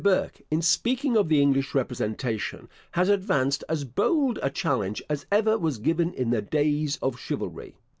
Burke, in speaking of the English representation, has advanced as bold a challenge as ever was given in the days of chivalry.